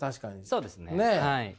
そうですねはい。